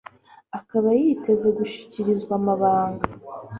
akaba yiteze gushikirizwa amabanga